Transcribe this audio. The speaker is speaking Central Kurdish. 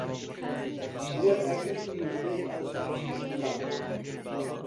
وەرئەگرن موژدەی ئەلتافی خودا